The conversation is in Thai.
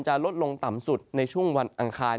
ลดลงต่ำสุดในช่วงวันอังคาร